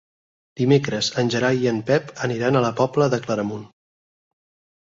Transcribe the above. Dimecres en Gerai i en Pep aniran a la Pobla de Claramunt.